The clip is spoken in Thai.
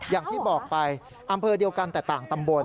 อย่างที่บอกไปอำเภอเดียวกันแต่ต่างตำบล